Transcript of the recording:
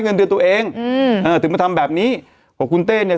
เงินเดือนตัวเองอืมเออถึงมาทำแบบนี้เพราะคุณเต้เนี้ย